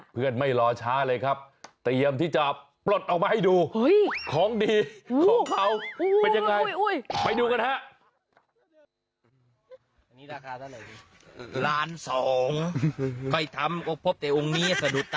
เพื่อนไม่รอช้าเลยครับเตรียมที่จะปลดออกมาให้ดู